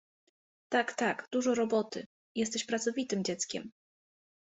— Tak, tak, dużo roboty… jesteś pracowitym dzieckiem!